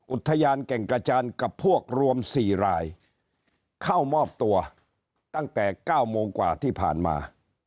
อุทยานแก่งกระจานกับพวกรวม๔รายเข้ามอบตัวตั้งแต่๙โมงกว่าที่ผ่านมา